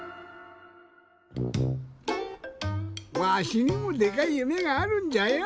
わしにもでかい夢があるんじゃよ。